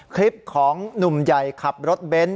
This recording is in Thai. คลิปของหนุ่มใหญ่ขับรถเบนท์